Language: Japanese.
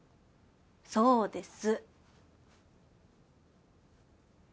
そうです。